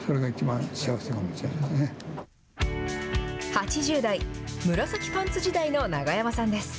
８０代、紫パンツ時代の永山さんです。